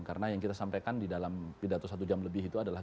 karena yang kita sampaikan di dalam pidato satu jam lebih itu adalah